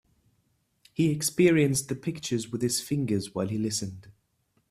He experienced the pictures with his fingers while he listened.